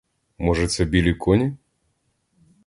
Може, це білі коні?